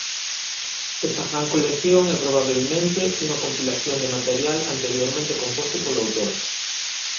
Esta gran colección é probabelmente unha compilación de material anteriormente composto polo autor.